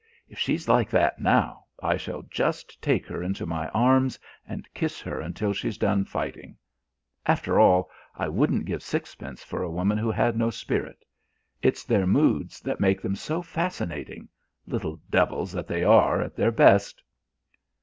If she's like that now, I shall just take her into my arms and kiss her until she's done fighting. After all, I wouldn't give sixpence for a woman who had no spirit. It's their moods that make them so fascinating little devils that they are at their best!"